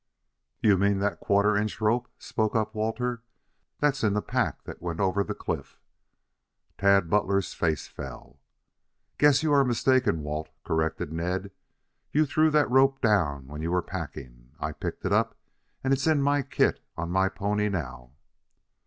"You mean the quarter inch rope?" spoke up Walter. "That's in the pack that went over the cliff." Tad Butler's face fell. "Guess you are mistaken, Walt," corrected Ned. "You threw that rope down when you were packing. I picked it up and it's in my kit on my pony now."